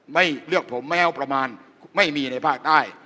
ไม่เลือกผมแม้ว่าประมาณไม่มีในภาคใต้